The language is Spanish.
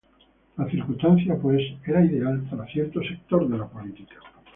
La circunstancia pues era ideal para cierto sector de la política.